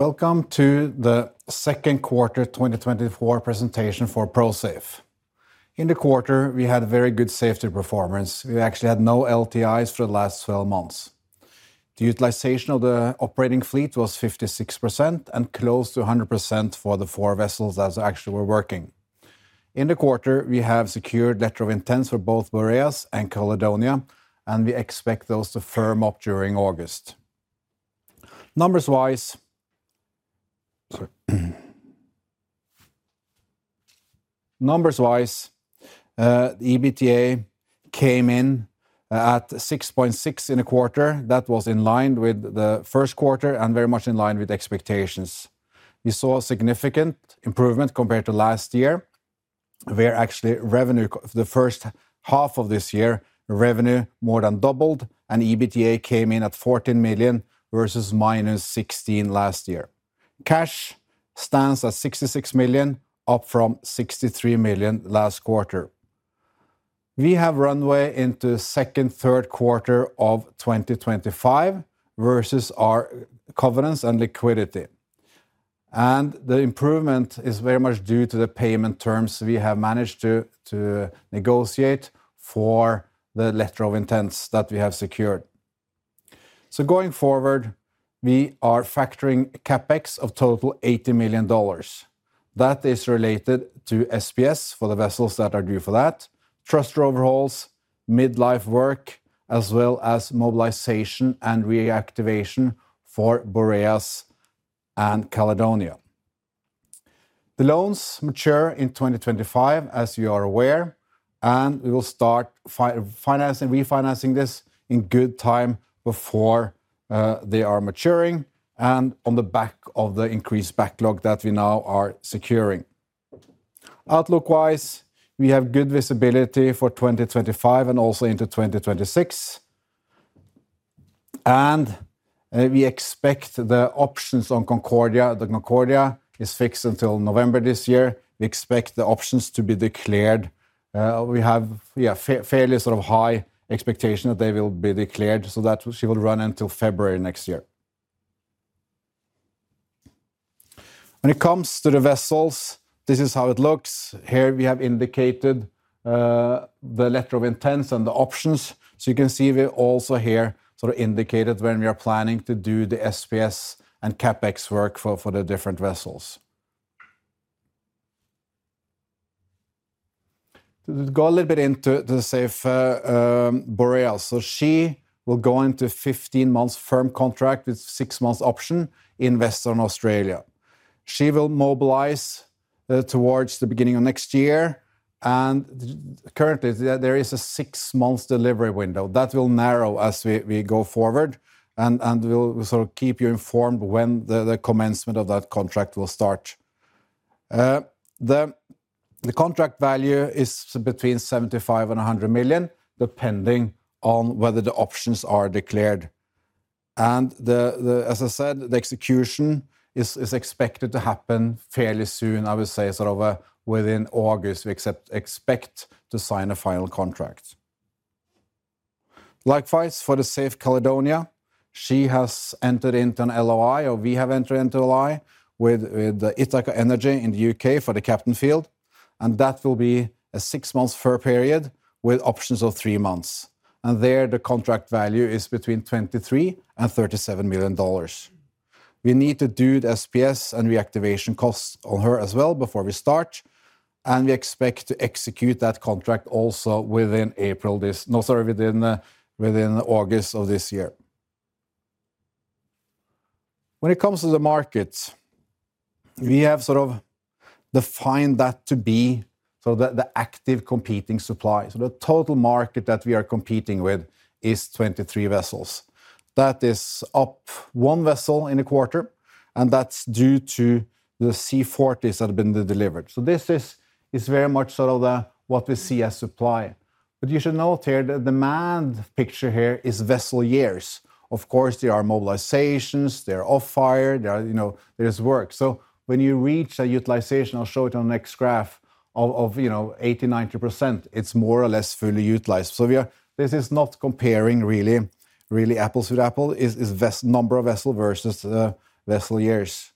Welcome to the second quarter 2024 presentation for Prosafe. In the quarter, we had very good safety performance. We actually had no LTIs for the last 12 months. The utilization of the operating fleet was 56% and close to 100% for the four vessels that actually were working. In the quarter, we have secured letter of intents for both Boreas and Caledonia, and we expect those to firm up during August. Numbers wise, the EBITDA came in at $6.6 million in a quarter. That was in line with the first quarter and very much in line with expectations. We saw a significant improvement compared to last year, where actually revenue, the first half of this year, revenue more than doubled and EBITDA came in at $14 million versus -$16 million last year. Cash stands at $66 million, up from $63 million last quarter. We have runway into the second, third quarter of 2025 versus our covenants and liquidity, and the improvement is very much due to the payment terms we have managed to negotiate for the letter of intents that we have secured. So going forward, we are factoring CapEx of total $80 million. That is related to SPS for the vessels that are due for that, thruster overhauls, mid-life work, as well as mobilization and reactivation for Boreas and Caledonia. The loans mature in 2025, as you are aware, and we will start financing, refinancing this in good time before they are maturing and on the back of the increased backlog that we now are securing. Outlook wise, we have good visibility for 2025 and also into 2026. And we expect the options on Concordia, the Concordia is fixed until November this year. We expect the options to be declared. We have, yeah, fairly sort of high expectation that they will be declared, so that she will run until February next year. When it comes to the vessels, this is how it looks. Here we have indicated the letters of intent and the options. So you can see we also here sort of indicated when we are planning to do the SPS and CapEx work for the different vessels. To go a little bit into the Safe Boreas. So she will go into 15 months firm contract with six months option in Western Australia. She will mobilize towards the beginning of next year, and currently there is a six months delivery window. That will narrow as we go forward, and we'll sort of keep you informed when the commencement of that contract will start. The contract value is between $75-$100 million, depending on whether the options are declared. And as I said, the execution is expected to happen fairly soon. I would say sort of within August, we expect to sign a final contract. Likewise, for the Safe Caledonia, she has entered into an LOI, or we have entered into an LOI with the Ithaca Energy in the U.K. for the Captain Field, and that will be a 6 months firm period with options of 3 months. And there, the contract value is between $23-$37 million. We need to do the SPS and reactivation costs on her as well before we start, and we expect to execute that contract also within April this... No, sorry, within August of this year. When it comes to the markets, we have sort of defined that to be so that the active competing supply. So the total market that we are competing with is 23 vessels. That is up one vessel in a quarter, and that's due to the Safe Zephyrus that has been delivered. So this is very much sort of the what we see as supply. But you should note here, the demand picture here is vessel years. Of course, there are mobilizations, they are off hire, there are, you know, there is work. So when you reach a utilization, I'll show it on the next graph, of, you know, 80%-90%, it's more or less fully utilized. So this is not comparing really, really apples with apples, it's vessel number versus the vessel years.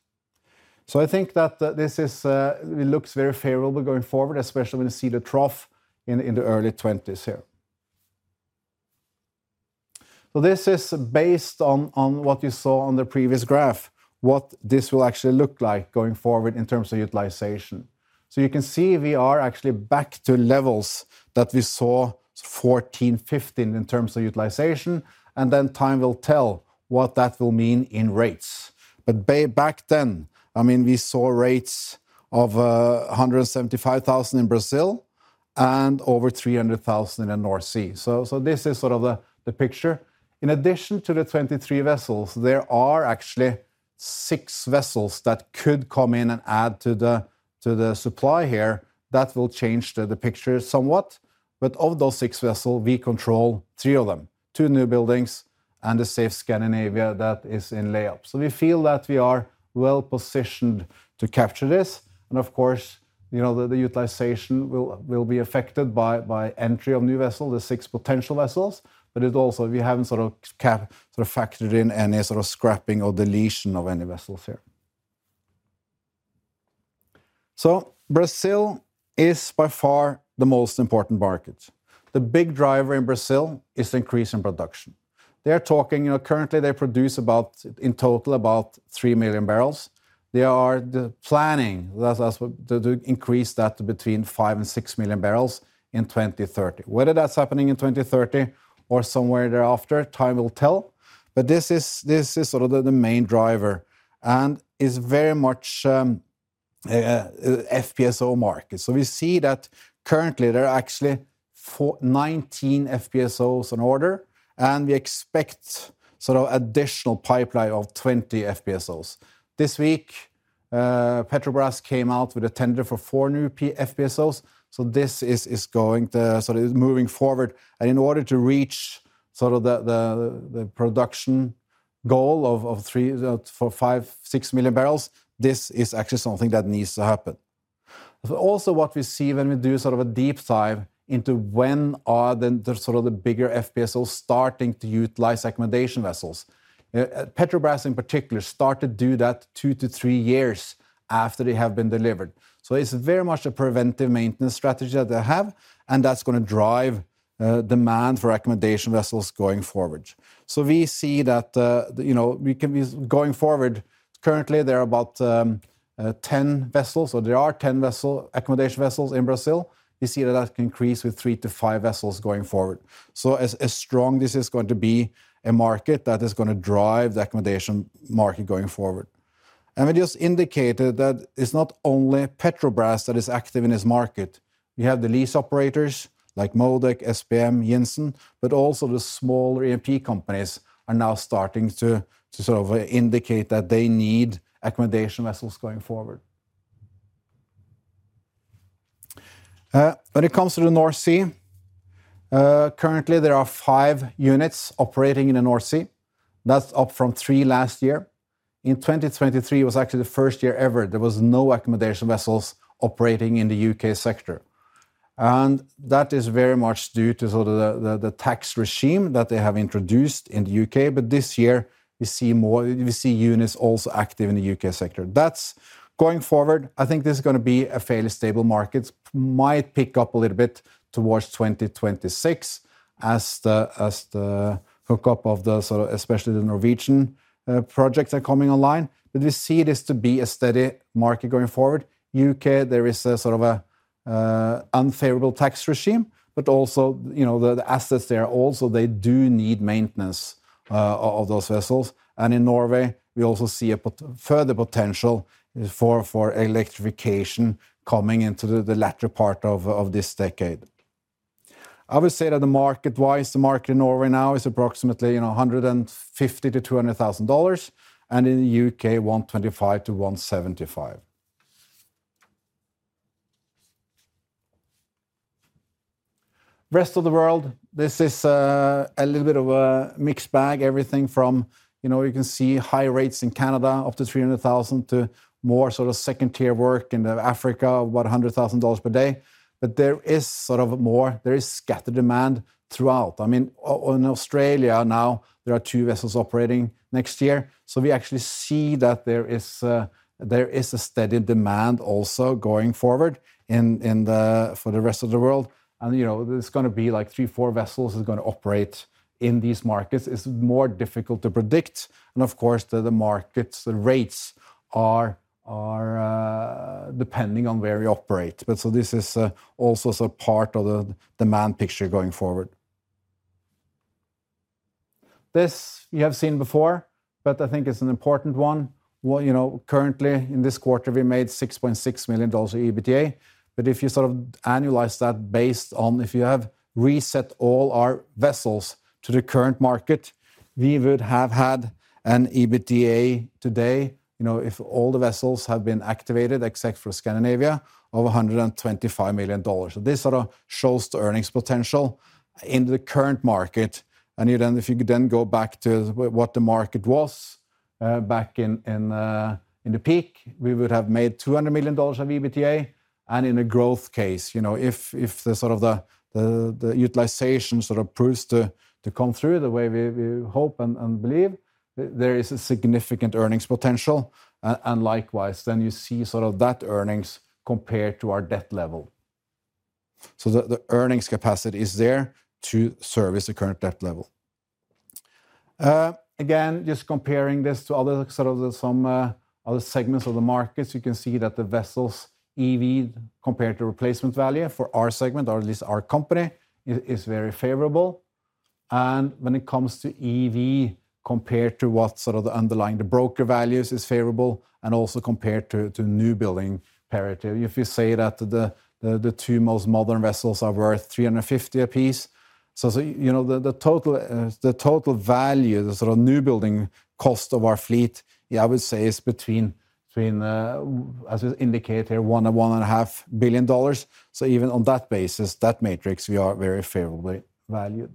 So I think that this is it looks very favorable going forward, especially when you see the trough in the early twenties here. So this is based on what you saw on the previous graph, what this will actually look like going forward in terms of utilization. So you can see we are actually back to levels that we saw 2014, 2015, in terms of utilization, and then time will tell what that will mean in rates. But way back then, I mean, we saw rates of $175,000 in Brazil and over $300,000 in the North Sea. So this is sort of the picture. In addition to the 23 vessels, there are actually 6 vessels that could come in and add to the supply here. That will change the picture somewhat. But of those 6 vessels, we control 3 of them, 2 newbuildings and the Safe Scandinavia that is in lay-up. So we feel that we are well-positioned to capture this, and of course, you know, the utilization will be affected by entry of new vessel, the 6 potential vessels. But it also, we haven't sort of factored in any sort of scrapping or deletion of any vessels here. So Brazil is by far the most important market. The big driver in Brazil is the increase in production. They are talking, you know, currently they produce about, in total, about 3 million barrels. They are planning to increase that to between 5 and 6 million barrels in 2030. Whether that's happening in 2030 or somewhere thereafter, time will tell. But this is sort of the main driver, and is very much a FPSO market. So we see that currently there are actually 19 FPSOs on order, and we expect sort of additional pipeline of 20 FPSOs. This week, Petrobras came out with a tender for four new FPSOs, so this is going to sort of. It's moving forward. And in order to reach sort of the production goal of 3, 4, 5, 6 million barrels, this is actually something that needs to happen. But also what we see when we do sort of a deep dive into when are the sort of bigger FPSOs starting to utilize accommodation vessels? Petrobras in particular start to do that 2-3 years after they have been delivered. So it's very much a preventive maintenance strategy that they have, and that's gonna drive demand for accommodation vessels going forward. So we see that, you know, going forward, currently there are about 10 accommodation vessels in Brazil. We see that that can increase with 3-5 vessels going forward. So as strong, this is going to be a market that is gonna drive the accommodation market going forward. And we just indicated that it's not only Petrobras that is active in this market. We have the lease operators like MODEC, SBM, Yinson, but also the smaller E&P companies are now starting to sort of indicate that they need accommodation vessels going forward. When it comes to the North Sea, currently there are five units operating in the North Sea. That's up from three last year. In 2023, it was actually the first year ever there was no accommodation vessels operating in the UK sector, and that is very much due to sort of the tax regime that they have introduced in the UK. But this year, we see more, we see units also active in the UK sector. That's, going forward, I think this is gonna be a fairly stable market. Might pick up a little bit towards 2026 as the hookup of the sort of especially the Norwegian projects are coming online. But we see this to be a steady market going forward. UK, there is a sort of a unfavorable tax regime, but also, you know, the assets there are also, they do need maintenance of those vessels. And in Norway, we also see further potential for electrification coming into the latter part of this decade. I would say that the market-wise, the market in Norway now is approximately, you know, $150,000-$200,000, and in the UK, $125,000-$175,000. Rest of the world, this is a little bit of a mixed bag. Everything from... You know, you can see high rates in Canada, up to $300,000, to more sort of second-tier work in Africa, about $100,000 per day. But there is sort of more, there is scattered demand throughout. I mean, in Australia now, there are 2 vessels operating next year. So we actually see that there is a, there is a steady demand also going forward in, in the for the rest of the world. And, you know, there's gonna be like 3, 4 vessels is gonna operate in these markets. It's more difficult to predict, and of course, the markets, the rates are, are depending on where you operate. But so this is also sort of part of the demand picture going forward. This you have seen before, but I think it's an important one. Well, you know, currently, in this quarter, we made $6.6 million of EBITDA. But if you sort of annualize that based on if you have reset all our vessels to the current market, we would have had an EBITDA today, you know, if all the vessels have been activated, except for Scandinavia, of $125 million. So this sort of shows the earnings potential in the current market. And you then, if you then go back to what the market was back in the peak, we would have made $200 million of EBITDA. And in a growth case, you know, if the sort of the utilization sort of proves to come through the way we hope and believe, there is a significant earnings potential. And likewise, then you see sort of that earnings compared to our debt level. So the earnings capacity is there to service the current debt level. Again, just comparing this to other sort of some other segments of the markets, you can see that the vessels EV, compared to replacement value for our segment, or at least our company, is very favorable. And when it comes to EV, compared to what sort of the underlying broker values is favorable and also compared to newbuilding parity. If you say that the two most modern vessels are worth 350 a piece, so you know, the total value, the sort of newbuilding cost of our fleet, yeah, I would say is between, as is indicated here, $1 billion-$1.5 billion. So even on that basis, that matrix, we are very favorably valued.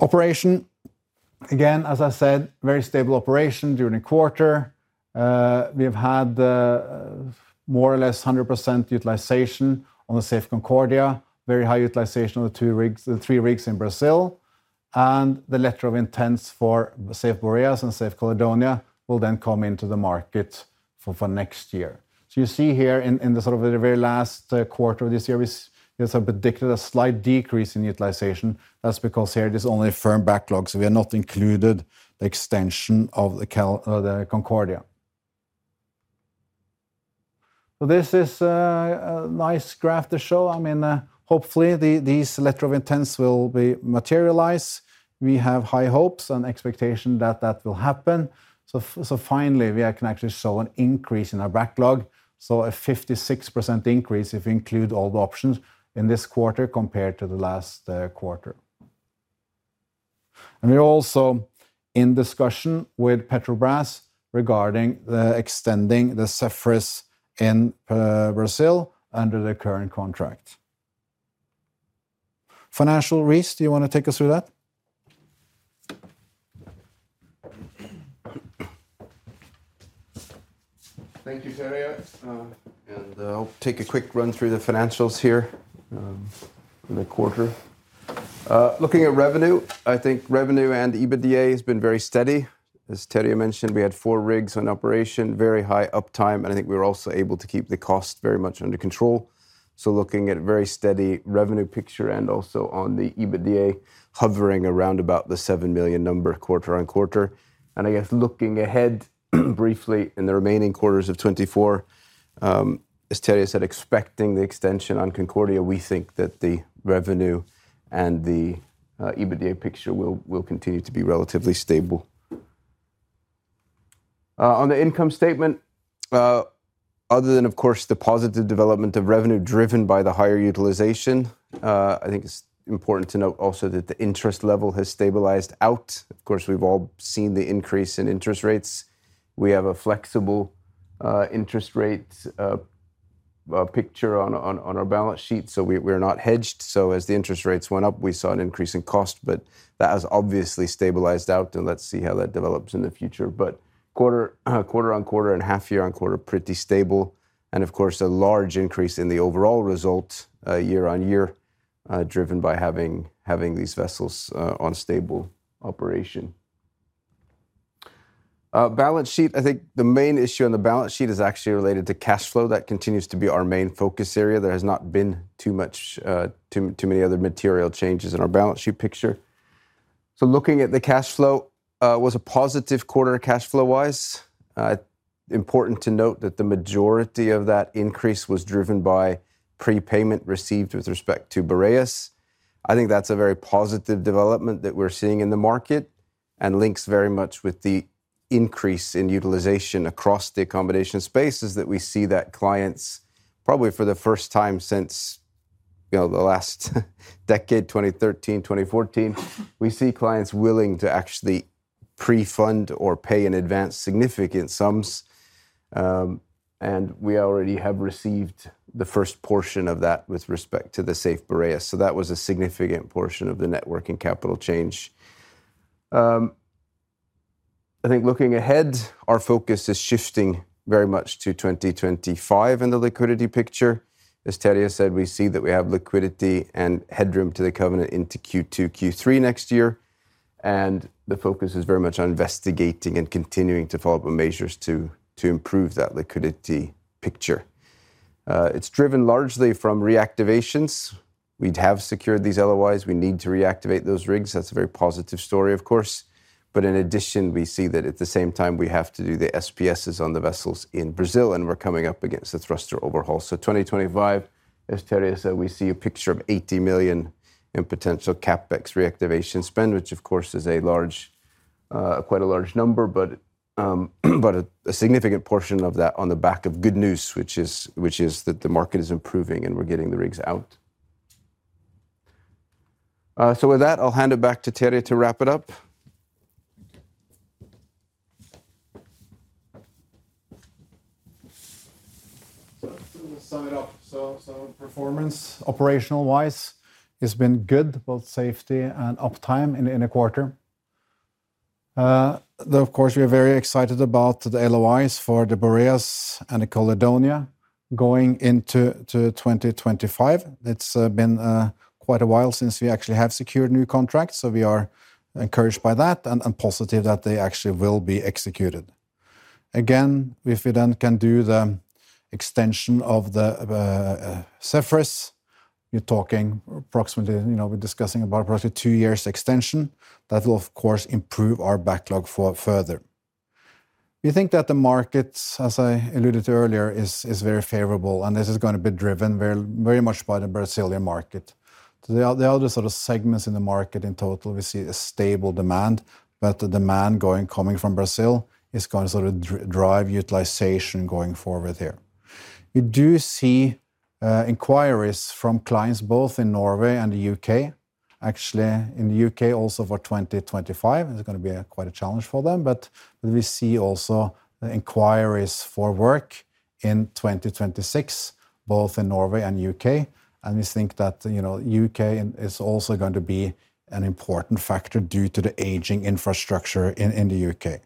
Operations, again, as I said, very stable operation during the quarter. We have had, more or less 100% utilization on the Safe Concordia, very high utilization of the two rigs - the three rigs in Brazil, and the letters of intent for Safe Boreas and Safe Caledonia will then come into the market for, for next year. So you see here in, in the sort of the very last quarter of this year, there's a predicted slight decrease in utilization. That's because here it is only firm backlog, so we are not included the extension of the Concordia. So this is a nice graph to show. I mean, hopefully, these letters of intent will be materialized. We have high hopes and expectation that that will happen, so finally, we can actually show an increase in our backlog, so a 56% increase if you include all the options in this quarter compared to the last quarter. We're also in discussion with Petrobras regarding extending the Safe Zephyrus in Brazil, under the current contract. Reese, do you want to take us through that? Thank you, Terje. I'll take a quick run through the financials here, for the quarter. Looking at revenue, I think revenue and EBITDA has been very steady. As Terje mentioned, we had four rigs on operation, very high uptime, and I think we were also able to keep the cost very much under control. Looking at very steady revenue picture and also on the EBITDA, hovering around about the $7 million number quarter on quarter. I guess looking ahead briefly in the remaining quarters of 2024, as Terje said, expecting the extension on Concordia, we think that the revenue and the EBITDA picture will, will continue to be relatively stable. On the income statement, other than, of course, the positive development of revenue driven by the higher utilization, I think it's important to note also that the interest level has stabilized out. Of course, we've all seen the increase in interest rates. We have a flexible, interest rate, picture on, on, on our balance sheet, so we, we're not hedged. So as the interest rates went up, we saw an increase in cost, but that has obviously stabilized out, and let's see how that develops in the future. But quarter, quarter on quarter and half year on quarter, pretty stable, and of course, a large increase in the overall result, year on year, driven by having, having these vessels, on stable operation. Balance sheet, I think the main issue on the balance sheet is actually related to cash flow. That continues to be our main focus area. There has not been too much, too many other material changes in our balance sheet picture. So looking at the cash flow, was a positive quarter cash flow-wise. Important to note that the majority of that increase was driven by prepayment received with respect to Boreas. I think that's a very positive development that we're seeing in the market and links very much with the increase in utilization across the accommodation spaces, that we see that clients, probably for the first time since, you know, the last decade, 2013, 2014, we see clients willing to actually pre-fund or pay in advance significant sums. And we already have received the first portion of that with respect to the Safe Boreas, so that was a significant portion of the net working capital change. I think looking ahead, our focus is shifting very much to 2025 and the liquidity picture. As Terje said, we see that we have liquidity and headroom to the covenant into Q2, Q3 next year, and the focus is very much on investigating and continuing to follow up on measures to, to improve that liquidity picture. It's driven largely from reactivations. We have secured these LOIs. We need to reactivate those rigs. That's a very positive story, of course, but in addition, we see that at the same time, we have to do the SPSs on the vessels in Brazil, and we're coming up against the thruster overhaul. So 2025, as Terje said, we see a picture of $80 million in potential CapEx reactivation spend, which of course is a large- quite a large number, but, but a significant portion of that on the back of good news, which is, which is that the market is improving and we're getting the rigs out. So with that, I'll hand it back to Terje to wrap it up. So to sum it up, performance, operational-wise, has been good, both safety and uptime in the quarter. Though, of course, we are very excited about the LOIs for the Boreas and the Caledonia going into 2025. It's been quite a while since we actually have secured new contracts, so we are encouraged by that and positive that they actually will be executed. Again, if we then can do the extension of the Safe Zephyrus, you're talking approximately... You know, we're discussing about approximately two years extension, that will, of course, improve our backlog for further. We think that the markets, as I alluded to earlier, is very favorable, and this is gonna be driven very, very much by the Brazilian market. The other sort of segments in the market in total, we see a stable demand, but the demand coming from Brazil is going to sort of drive utilization going forward there. We do see inquiries from clients both in Norway and the UK. Actually, in the UK, also for 2025, it's gonna be a quite a challenge for them, but we see also the inquiries for work in 2026, both in Norway and UK, and we think that, you know, UK is also going to be an important factor due to the aging infrastructure in the UK.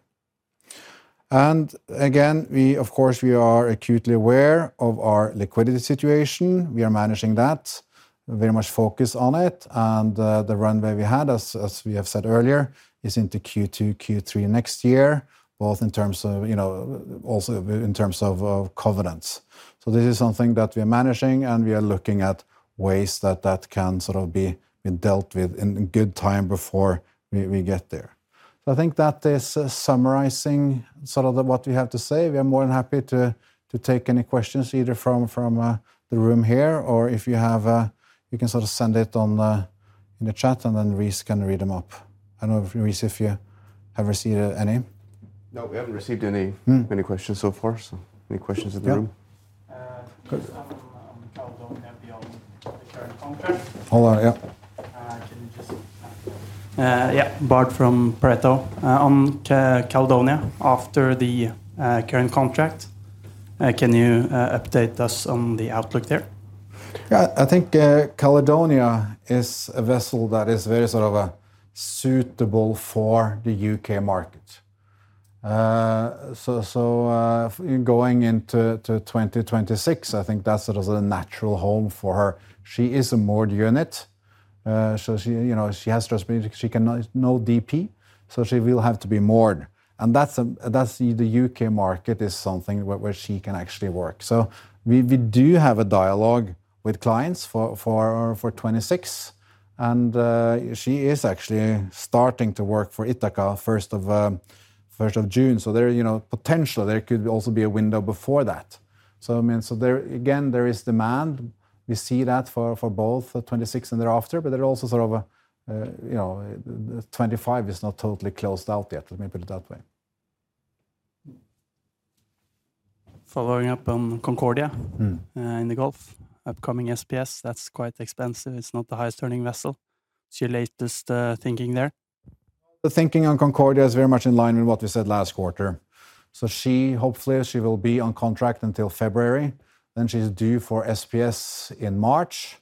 And again, we, of course, we are acutely aware of our liquidity situation. We are managing that, very much focused on it, and the runway we had, as we have said earlier, is into Q2, Q3 next year, both in terms of, you know, also in terms of, of covenants. So this is something that we are managing, and we are looking at ways that that can sort of be dealt with in good time before we get there. So I think that is summarizing sort of the what we have to say. We are more than happy to take any questions, either from the room here, or if you have, you can sort of send it in the chat, and then Reese can read them up. I don't know if, Reese, you have received any? No, we haven't received any- Mm... any questions so far, so any questions in the room? Yeah. Yeah, Bård from Pareto. On Caledonia, after the current contract, can you update us on the outlook there? Yeah, I think, Caledonia is a vessel that is very sort of, suitable for the UK market. So, in going into 2026, I think that's sort of the natural home for her. She is a moored unit, so she, you know, she has thrusters, but she cannot... no DP, so she will have to be moored. And that's the UK market is something where, where she can actually work. So we, we do have a dialogue with clients for 2026, and, she is actually starting to work for Ithaca 1st of June. So there, you know, potentially, there could also be a window before that. So, I mean, so there, again, there is demand. We see that for both the 2026 and thereafter, but there are also sort of a, you know, 2025 is not totally closed out yet. Let me put it that way. Following up on Concordia- Mm. [crosstlak] - in the Gulf, upcoming SPS, that's quite expensive. It's not the highest earning vessel. What's your latest, thinking there? The thinking on Concordia is very much in line with what we said last quarter. So she, hopefully, she will be on contract until February, then she's due for SPS in March,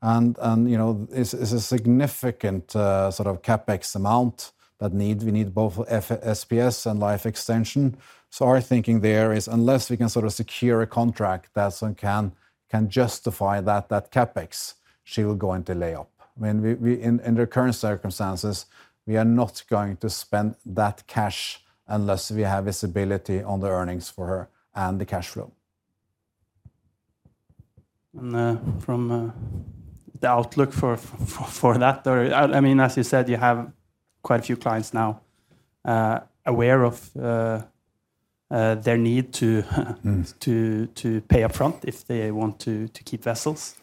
and you know, it's a significant sort of CapEx amount that need. We need both SPS and life extension. So our thinking there is, unless we can sort of secure a contract that can justify that CapEx, she will go into lay-up. I mean, In the current circumstances, we are not going to spend that cash unless we have visibility on the earnings for her and the cash flow. And from the outlook for that, or I mean, as you said, you have quite a few clients now aware of their need to- Mm. [crosstlak] To pay upfront if they want to keep vessels.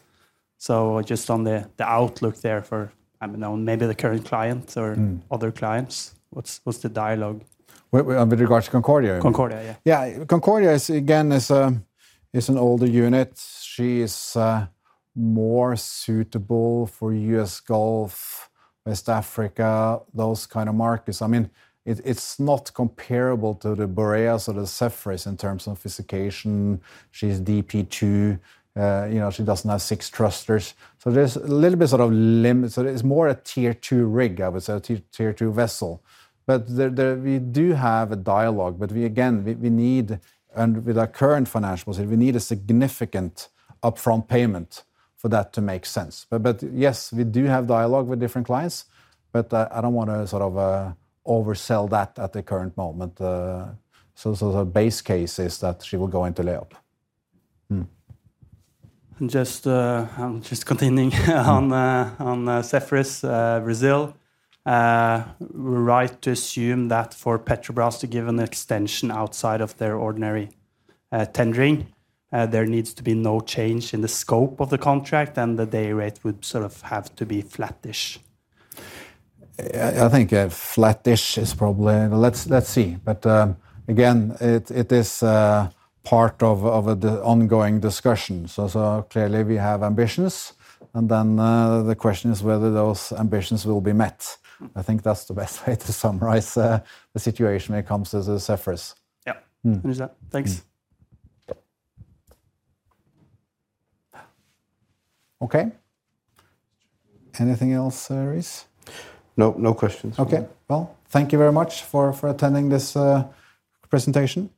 So just on the outlook there for, I don't know, maybe the current client- Mm. [crosstlak] or other clients, what's the dialogue? With regards to Concordia you mean? Concordia, yeah. Yeah. Concordia is, again, an older unit. She is more suitable for U.S. Gulf, West Africa, those kind of markets. I mean, it's not comparable to the Boreas or the Zephyrus in terms of sophistication. She's DP2, you know, she doesn't have six thrusters, so there's a little bit sort of limit. So it's more a Tier 2 rig, I would say, a Tier 2 vessel. But we do have a dialogue, but we, again, need, and with our current financial position, we need a significant upfront payment for that to make sense. But yes, we do have dialogue with different clients, but I don't want to sort of oversell that at the current moment. So the base case is that she will go into lay-up. Continuing on Zephyrus Brazil, we're right to assume that for Petrobras to give an extension outside of their ordinary tendering, there needs to be no change in the scope of the contract, and the day rate would sort of have to be flattish? I think flattish is probably. Let's see. But again, it is part of the ongoing discussion. So clearly we have ambitions, and then the question is whether those ambitions will be met. Mm. I think that's the best way to summarize the situation when it comes to the Zephyrus. Yeah. Mm. Understood. Thanks. Mm. Okay. Anything else, Reese? No, no questions. Okay. Well, thank you very much for attending this presentation.